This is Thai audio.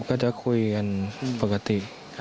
พี่โชคคุยกันปกติ